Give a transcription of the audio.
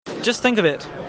Just think of it!